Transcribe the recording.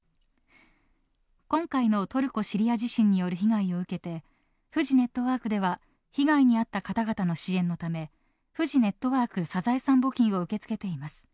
今回のトルコ、シリア地震による被害を受けてフジネットワークでは被害に遭った方々の支援のためフジネットワークサザエさん募金を受け付けています。